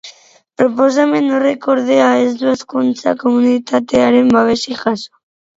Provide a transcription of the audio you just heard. Proposamen horrek, ordea, ez du hezkuntza komunitatearen babesik jaso.